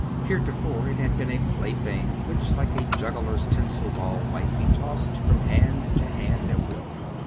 Heretofore it had been a plaything which like a juggler's tinsel ball might be tossed from hand to hand at will.